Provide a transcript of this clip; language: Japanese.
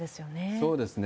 そうですね。